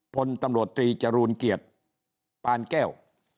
พลตำรวจตรีจรูลเกียรติปานแก้ว